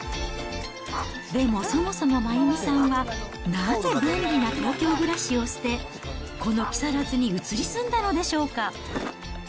でもそもそも真弓さんは、なぜ便利な東京暮らしを捨て、この木更津に移り住んだのでしょう